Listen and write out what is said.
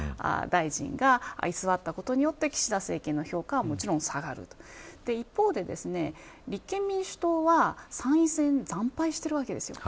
大臣が居座ったことによって岸田政権の評価はもちろん下がる一方で立憲民主党は参院選惨敗してるわけですよ。